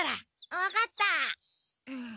分かった。